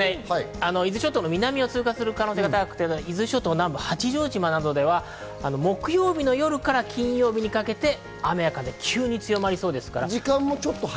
伊豆諸島の南を通過する可能性が高くて八丈島などでは木曜日の夜から金曜日にかけて雨風が急に強まりそうです。